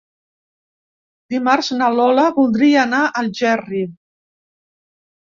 Dimarts na Lola voldria anar a Algerri.